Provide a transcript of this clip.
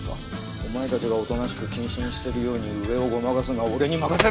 お前たちがおとなしく謹慎してるように上をごまかすのは俺に任せろ！